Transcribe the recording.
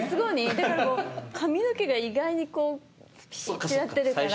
だから髪の毛が意外にピシってなってるから。